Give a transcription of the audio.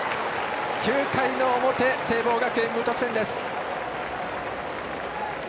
９回の表、聖望学園無得点です。